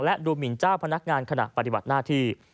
และดูหมินเจ้าพนักงานขณะปฏิบัติหน้าที่